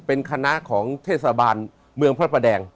เป็นคณะของเทศบาลเมืองพระประแดง